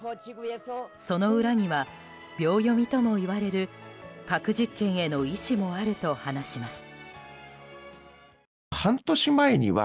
その裏には秒読みともいわれる核実験への意志もあると話します。